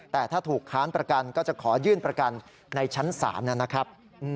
แต่ถ้าถูกค้านประกันก็จะขอยื่นประกันในชั้นศาลนะครับ